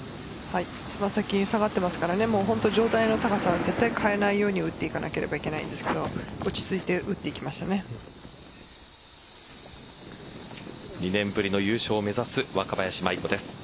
爪先、下がっていますから上体の高さは絶対変えないように打っていかなければいけないんですけど２年ぶりの優勝を目指す若林舞衣子です。